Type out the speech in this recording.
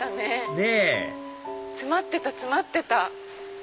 ねっ詰まってた詰まってた。